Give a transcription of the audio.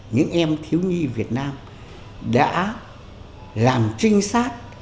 những em thiếu nhi việt nam đã làm trinh sát